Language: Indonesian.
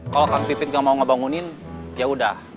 kalau kang pipit gak mau ngebangunin yaudah